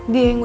dia yang udah